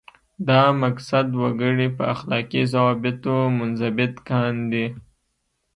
دا مقصد وګړي په اخلاقي ضوابطو منضبط کاندي.